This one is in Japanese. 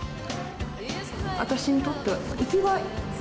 私にとっては生きがい。